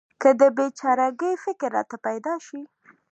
که د بې چاره ګۍ فکر راته پیدا شي.